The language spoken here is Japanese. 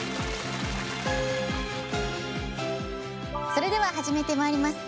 それでは始めてまいります。